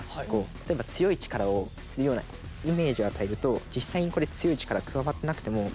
例えば強い力をするようなイメージを与えると実際にこれ強い力加わってなくても。